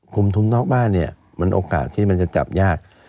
กลุ่มทุนนอกบ้านนี้มีโอกาสที่จะจำยาก